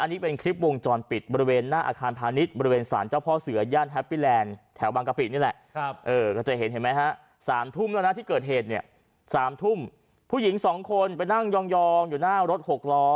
ที่เกิดเหตุเนี้ยสามทุ่มผู้หญิงสองคนไปนั่งยองยองอยู่หน้ารถหกล้อ